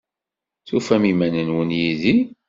Tufam iman-nwen yid-i?